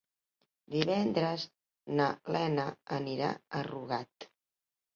Divendres na Lena anirà a Rugat.